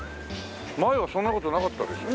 前はそんな事なかったでしょ。